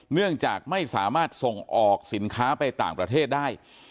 เนื่องจากไม่สามารถส่งออกสินค้าไปต่างประเทศได้